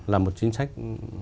là một chính sách